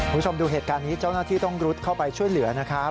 คุณผู้ชมดูเหตุการณ์นี้เจ้าหน้าที่ต้องรุดเข้าไปช่วยเหลือนะครับ